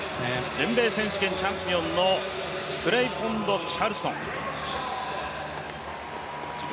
全米選手権チャンピオンのクレイボント・チャールストン自己